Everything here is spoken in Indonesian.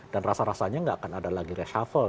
dan rasa rasanya tidak akan ada lagi reshuffle